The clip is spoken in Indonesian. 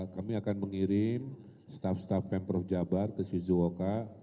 kami akan mengirim staf staf pemprov jabar ke swizuoka